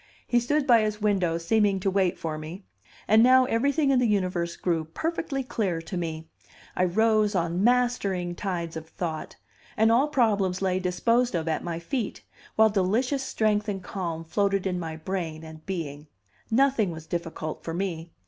He stood by his window seeming to wait for me. And now everything in the universe grew perfectly clear to me; I rose on mastering tides of thought, and all problems lay disposed of at my feet, while delicious strength and calm floated in my brain and being. Nothing was difficult for me.